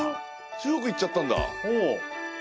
中国行っちゃったんだ。